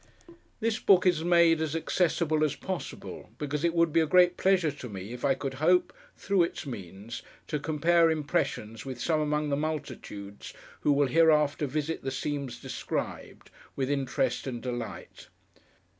This book is made as accessible as possible, because it would be a great pleasure to me if I could hope, through its means, to compare impressions with some among the multitudes who will hereafter visit the scenes described with interest and delight.